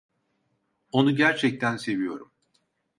Onu gerçekten seviyorum.